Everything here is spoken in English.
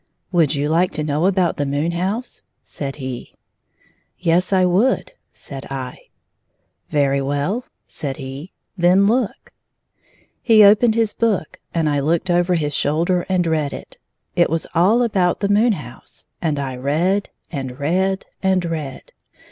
"Would you like to know about the moon house ?" said he. " Yes ; I would," said I. " Very well," said he, " then look !" He opened his book, and I looked over his shoulder and read it. It was all about the moon house, and I read, and read, and read.